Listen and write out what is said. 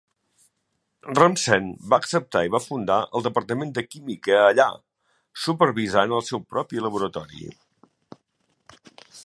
Remsen va acceptar i va fundar el departament de química allà, supervisant el seu propi laboratori.